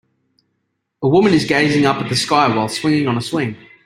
A woman is gazing up at the sky while swinging on a swing.